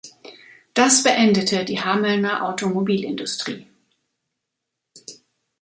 Das beendete die Hamelner Automobilindustrie.